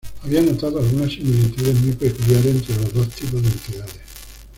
Había notado algunas similitudes muy peculiares entre los dos tipos de entidades.